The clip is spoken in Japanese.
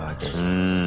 うん。